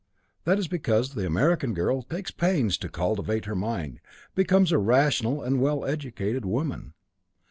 That is because the American girl takes pains to cultivate her mind, becomes a rational and well educated woman.